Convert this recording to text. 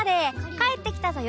『帰ってきたぞよ！』。